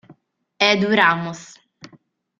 Edu Ramos